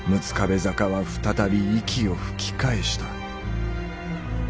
壁坂は再び息を吹き返した。